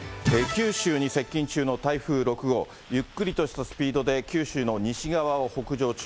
九州に接近中の台風６号、ゆっくりとしたスピードで九州の西側を北上中。